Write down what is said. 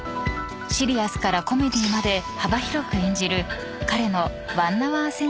［シリアスからコメディーまで幅広く演じる彼の］